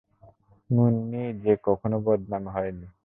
মুন্নি - যে কখনও বদনাম হয়নি।